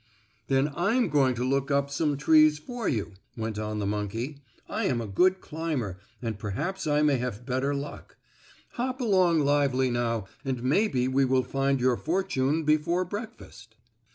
"Then I'm going to look up some more trees for you," went on the monkey. "I am a good climber, and perhaps I may have better luck. Hop along lively now and maybe we will find your fortune before breakfast."